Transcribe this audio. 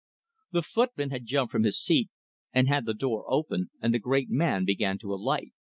The footman had jumped from his seat, and had the door open, and the great man began to alight.